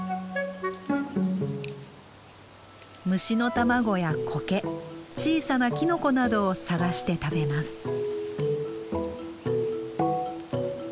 虫の卵やコケ小さなキノコなどを探して食べます。